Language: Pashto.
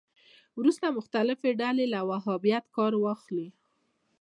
وروسته مختلفې ډلې له وهابیت کار واخلي